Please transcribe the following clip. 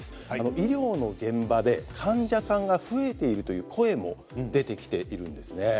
医療の現場で患者さんが増えているという声も出てきているんです。